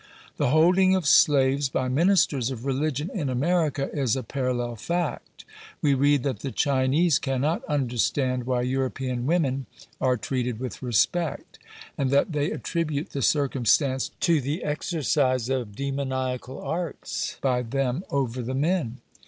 The holding of slaves by ministers of religion in America is a parallel fact. We read that the Chinese cannot understand why European women are treated with respect ; and that they attribute the circumstance to the exercise of demoniacal arts by them over the men.